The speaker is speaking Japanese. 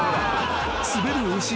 ［滑る牛］